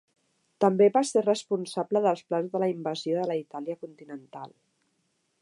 També va ser responsable dels plans de la invasió de la Itàlia continental.